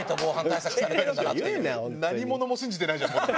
何者も信じてないじゃん。